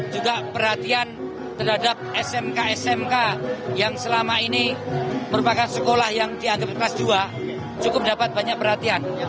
juga perhatian terhadap smk smk yang selama ini merupakan sekolah yang dianggap kelas dua cukup dapat banyak perhatian